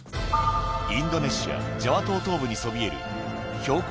インドネシアジャワ島東部にそびえる標高